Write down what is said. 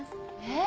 え！